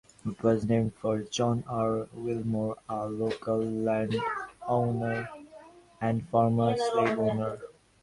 It was named for John R. Wilmore, a local landowner and former slave owner.